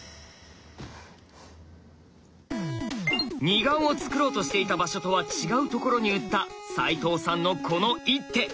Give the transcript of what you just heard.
二眼をつくろうとしていた場所とは違うところに打った齋藤さんのこの一手。